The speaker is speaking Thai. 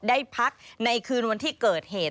ได้พักในคืนวันที่เกิดเหตุ